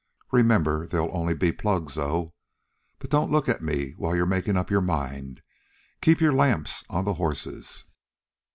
Remember, they'll only be plugs, though. But don't look at me while you're makin' up your mind. Keep your lamps on the horses."